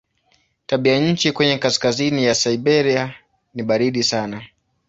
Tabianchi kwenye kaskazini ya Siberia ni baridi sana.